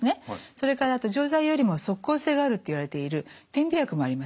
それから錠剤よりも即効性があるといわれている点鼻薬もあります。